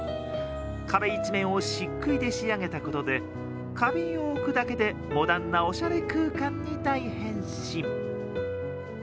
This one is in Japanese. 壁一面をしっくいで仕上げたことで花瓶を置くだけで、モダンなおしゃれ空間に大変身。